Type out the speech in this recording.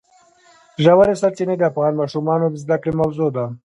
ژورې سرچینې د افغان ماشومانو د زده کړې موضوع ده.